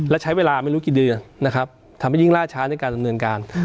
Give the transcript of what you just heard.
และใช้เวลาไม่รู้กี่เดือนนะครับทำให้ยิ่งล่าช้าในการดำเนินการ